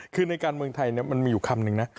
คือในการเมืองไทยมันมีอยู่คำนึงนะ